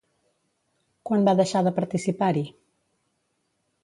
Quan va deixar de participar-hi?